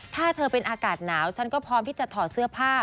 ถ้าเธอเป็นอากาศหนาวฉันก็พร้อมที่จะถอดเสื้อผ้า